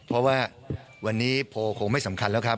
เพราะว่าวันนี้โพลคงไม่สำคัญแล้วครับ